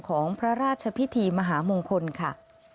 ของพระราชพิธีมหามงคลค่ะ